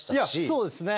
そうですね。